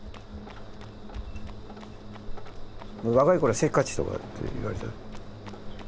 若い頃はせっかちとかって言われた。